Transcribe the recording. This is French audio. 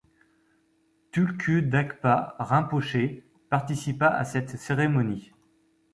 Tulku Dakpa Rinpoché participa à cette cérémonie.